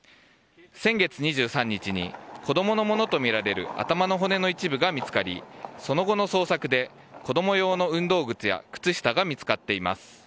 先月２３日に子供のものとみられる頭の骨の一部が見つかりその後の捜索で子供用の運動靴や靴下が見つかっています。